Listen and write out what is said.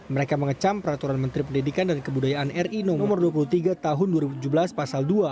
mereka mengecam peraturan menteri pendidikan dan kebudayaan ri no dua puluh tiga tahun dua ribu tujuh belas pasal dua